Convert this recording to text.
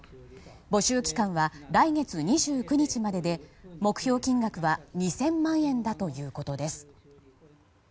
募集期間は来月２９日までで目標金額は２０００万円だということです。